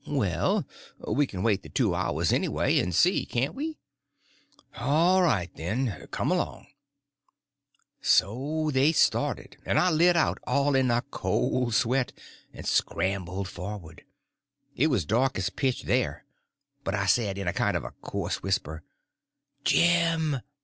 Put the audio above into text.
"Well, we can wait the two hours anyway and see, can't we?" "All right, then; come along." So they started, and I lit out, all in a cold sweat, and scrambled forward. It was dark as pitch there; but I said, in a kind of a coarse whisper, "Jim!"